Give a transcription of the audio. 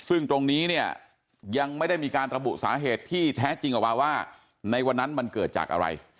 ซึ่งตรงนี้เนี่ยยังไม่ได้มีการระบุสาเหตุที่แท้จริงออกมาว่าในวันนั้นมันเกิดจากอะไร